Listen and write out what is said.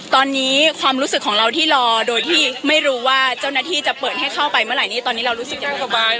ตอนนี้ความรู้สึกของเราที่รอโดยที่ไม่รู้ว่าเจ้าหน้าที่จะเปิดให้เข้าไปเมื่อไหร่ตอนนี้เรารู้สึกยังไงสบาย